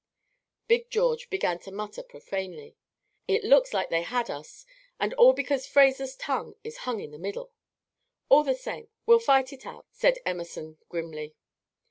Big George began to mutter profanely. "It looks like they had us, and all because Fraser's tongue is hung in the middle." "All the same, we'll fight it out," said Emerson, grimly.